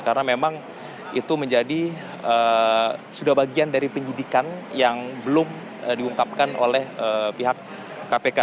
karena memang itu menjadi sudah bagian dari penyidikan yang belum diungkapkan oleh pihak kpk